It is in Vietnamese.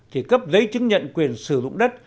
thì cấp giấy chứng nhận quyền sử dụng đất